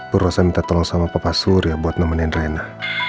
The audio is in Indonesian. perlu rosa minta tolong sama papa surya buat nemenin rina